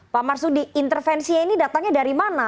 pak marsudi intervensinya ini datangnya dari mana